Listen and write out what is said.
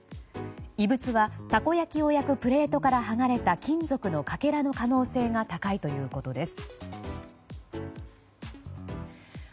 異物はたこ焼きを焼くプレートから剥がれた金属のかけらの可能性が高いということです。